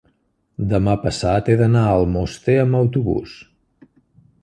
demà passat he d'anar a Almoster amb autobús.